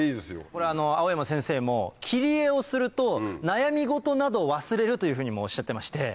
これ蒼山先生も切り絵をすると悩み事など忘れるというふうにもおっしゃってまして。